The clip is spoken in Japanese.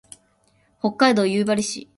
北海道夕張市